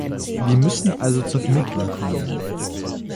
Wir müssen also zur Vermittlung kommen.